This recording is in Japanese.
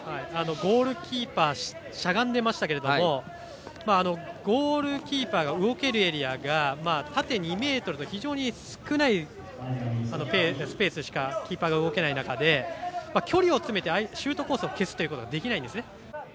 ゴールキーパーしゃがんでましたけれどもゴールキーパーが動けるエリアが縦２ｍと非常に少ないスペースしかキーパーが動けない中で距離を詰めてシュートコースを消すということができないんですね。